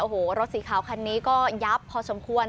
โอ้โหรถสีขาวคันนี้ก็ยับพอสมควร